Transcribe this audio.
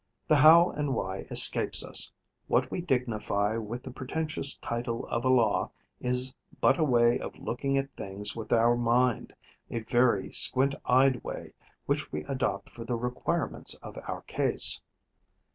The how and why escapes us; what we dignify with the pretentious title of a law is but a way of looking at things with our mind, a very squint eyed way, which we adopt for the requirements of our case.